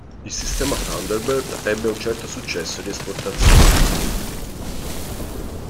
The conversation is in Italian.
Il sistema Thunderbird ebbe un certo successo di esportazione.